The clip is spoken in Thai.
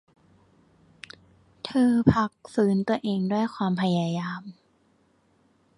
เธอพักฟื้นตัวเองด้วยความพยายาม